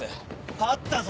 あったぞ！